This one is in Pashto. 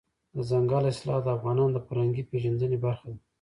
دځنګل حاصلات د افغانانو د فرهنګي پیژندنې برخه ده.